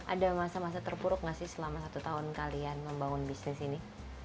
ada masa masa terpuruk nggak sih selama satu tahun kalian membangun bisnis ini